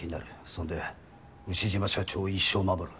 そんで丑嶋社長を一生守る。